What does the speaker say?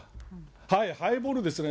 ハイボールですね。